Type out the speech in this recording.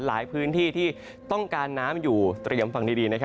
หลายพื้นที่ที่ต้องการน้ำอยู่เตรียมฟังดี